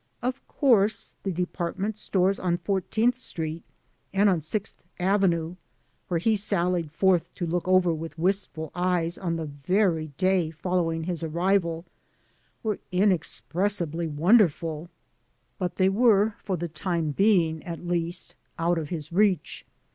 Of course, the department stores on Fourteenth Street and on Sixth Avenue, which he sallied forth to look over with wistful eyes on the very day following his arrival, were inexpressibly wonderful; but they THE TRAGEDY OP READJUSTMENT were, for the time being, at least, out of his reach.